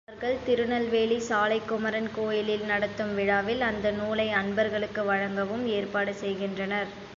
அவர்கள் திருநெல்வேலி சாலைக்குமரன் கோயிலில் நடத்தும் விழாவில் அந்த நூலை அன்பர்களுக்கு வழங்கவும் ஏற்பாடு செய்கின்றனர்.